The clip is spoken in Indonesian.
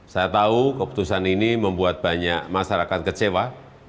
saya tahu keputusan ini membuat banyak masyarakat kecewa